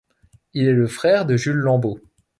Il est le frère de Jules Lambeaux.